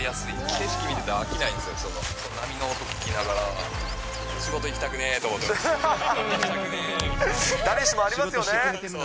景色見てても、飽きないんですよ、波の音聞きながら、仕事行きたくねえとか。誰しもありますよね。